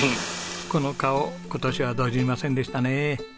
この顔今年はドジりませんでしたね。